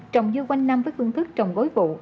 trồng dưa quanh năm với phương thức trồng gối vụ